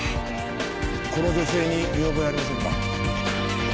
この女性に見覚えありませんか？